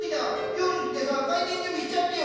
妖術でさ開店準備しちゃってよ。